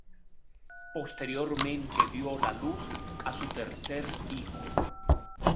Posteriormente dio la luz a su tercer hijo.